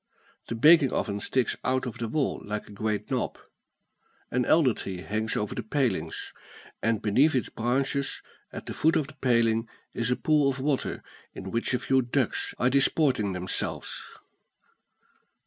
The baking oven sticks out of the wall like a great knob. An elder tree hangs over the palings; and beneath its branches, at the foot of the paling, is a pool of water, in which a few ducks are disporting themselves.